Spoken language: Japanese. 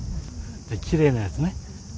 きれいなやつね。